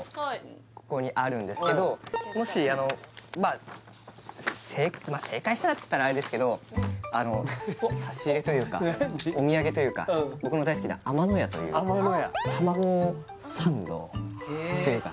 ここにあるんですけどもしあのまあ正正解したらつったらあれですけどあの差し入れというかお土産というか僕の大好きな天のやという天のやへえ